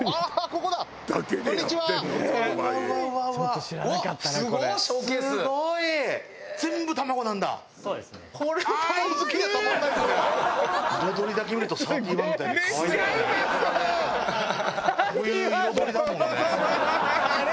こういう彩りだもんね。